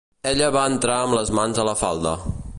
Ella va entrar amb les mans a la falda